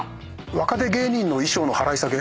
若手芸人の衣装の払い下げ。